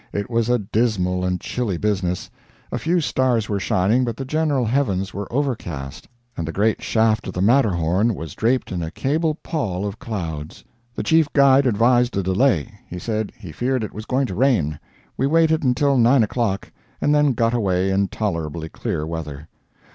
It was a dismal and chilly business. A few stars were shining, but the general heavens were overcast, and the great shaft of the Matterhorn was draped in a cable pall of clouds. The chief guide advised a delay; he said he feared it was going to rain. We waited until nine o'clock, and then got away in tolerably clear weather.